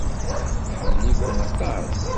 Tḥemmel-iken aṭas.